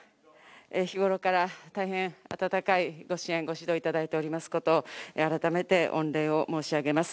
日ごろから、大変温かいご支援、ご指導いただいておりますこと、改めて御礼を申し上げます。